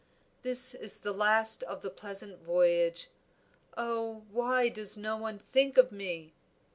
"This is the last of the pleasant voyage! Oh, why does no one think of me?"